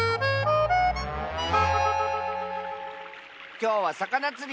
きょうはさかなつり！